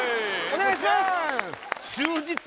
お願いします